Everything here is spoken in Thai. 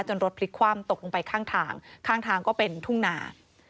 รถพลิกคว่ำตกลงไปข้างทางข้างทางก็เป็นทุ่งนา